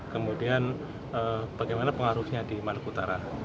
kalau kita lihat sebetulnya pengaruhnya di maluku utara